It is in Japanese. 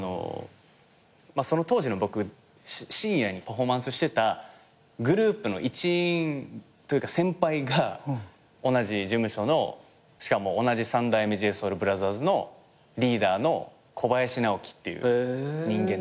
当時の僕深夜にパフォーマンスしてたグループの一員というか先輩が同じ事務所のしかも同じ三代目ＪＳＯＵＬＢＲＯＴＨＥＲＳのリーダーの小林直己っていう人間だったんすよ。